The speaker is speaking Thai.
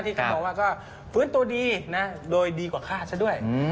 ที่กันบอกว่าก็ฟื้นตัวดีนะโดยดีกว่าคาดซะด้วย